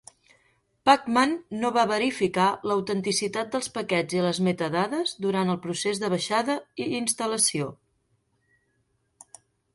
Pacman no va verificar l'autenticitat dels paquets i les metadades durant el procés de baixada i instal·lació.